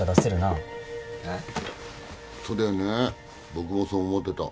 僕もそう思ってた。